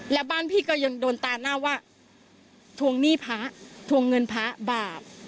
แล้วบ้านพี่ก็ยังโดนตาหน้าว่าทวงหนี้พระทวงเงินพระบาป